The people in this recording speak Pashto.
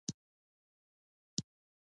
استاد بینوا د پښتو ادب نوې څپې راوستلې.